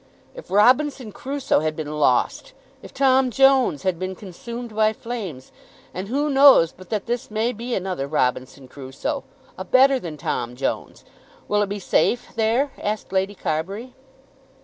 If "Robinson Crusoe" had been lost! If "Tom Jones" had been consumed by flames! And who knows but that this may be another "Robinson Crusoe," a better than "Tom Jones"? "Will it be safe there?" asked Lady Carbury.